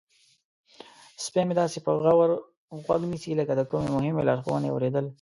سپی مې داسې په غور غوږ نیسي لکه د کومې مهمې لارښوونې اوریدل.